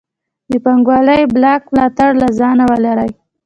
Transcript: د پانګوالۍ بلاک ملاتړ له ځانه ولري.